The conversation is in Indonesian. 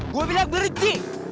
gua bilang berhenti